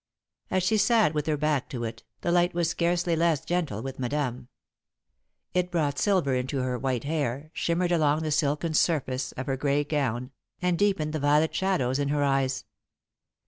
As she sat with her back to it, the light was scarcely less gentle with Madame. It brought silver into her white hair, shimmered along the silken surface of her grey gown, and deepened the violet shadows in her eyes.